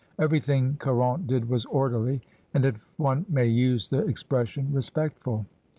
Everything Caxon did was orderly, and, if one may use the expression, respectful.